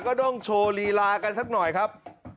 ก็ต้องโชว์ลีลากันสักหน่อยครับ